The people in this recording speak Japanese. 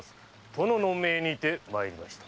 殿の命にて参りました。